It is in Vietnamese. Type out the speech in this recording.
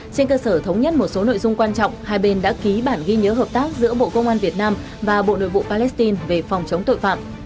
trên cơ sở thống nhất một số nội dung quan trọng hai bên đã ký bản ghi nhớ hợp tác giữa bộ công an việt nam và bộ nội vụ palestine về phòng chống tội phạm